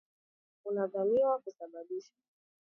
Unadhaniwa kusababishwa